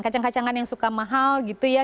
kacang kacangan yang suka mahal gitu ya